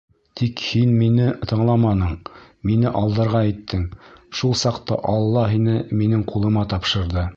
Тик һин мине тыңламаның, мине алдарға иттең, шул саҡта Алла һине минең ҡулыма тапшырҙы.